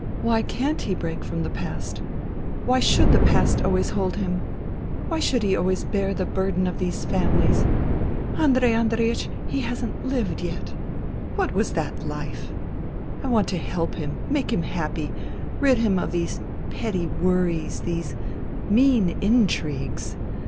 " Why can't he break with the past ? Why should the past always hold him ? Why should he always bear the burden of these families ? Andrei Andreiech ! he hasn't lived yet. For was that life ? I want to help him, make him happy, rid him of these petty worries, these mean intrigues.